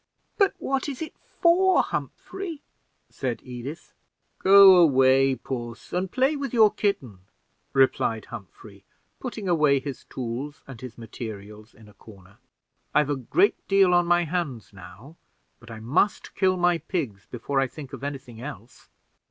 "But what is it for, Humphrey?" said Edith. "Go away, puss, and play with your kitten," replied Humphrey, putting away his tools and his materials in a corner; "I've a great deal on my hands now, but I must kill my pigs before I think of any thing else."